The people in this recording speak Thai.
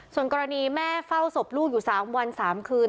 ส่วนกรณีแม่เฝ้าศพลูกอยู่๓วัน๓คืน